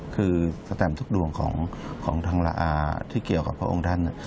คือสแตมทุกดวงของทางที่เกี่ยวกับพระองค์ท่าน